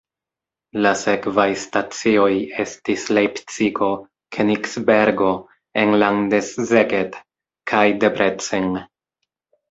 La sekvaj stacioj estis Lejpcigo, Kenigsbergo, enlande Szeged kaj Debrecen.